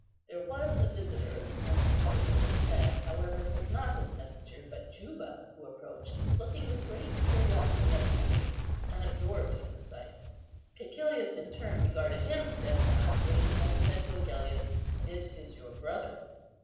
There was a visitor, as Cæcilius had said; however, it was not his messenger, but Juba, who approached, looking with great curiosity at Cæcilius, and absorbed in the sight. Cæcilius in turn regarded him steadfastly, and then said to Agellius, "It is your brother."